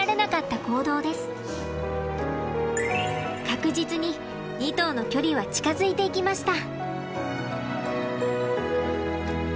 確実に２頭の距離は近づいていきました。